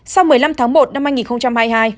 sau một mươi năm tháng một năm hai nghìn hai mươi hai